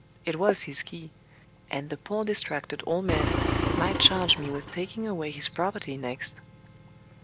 It was his key; and the poor distracted old man might charge me with taking away his property next.